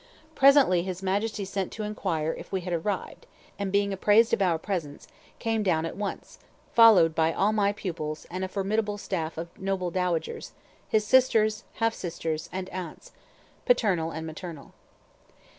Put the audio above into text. Presently his Majesty sent to inquire if we had arrived, and being apprised of our presence, came down at once, followed by all my pupils and a formidable staff of noble dowagers, his sisters, half sisters, and aunts, paternal and maternal.